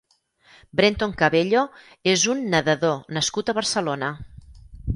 Brenton Cabello és un nedador nascut a Barcelona.